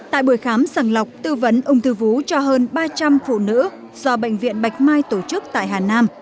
tại buổi khám sàng lọc tư vấn ung thư vú cho hơn ba trăm linh phụ nữ do bệnh viện bạch mai tổ chức tại hà nam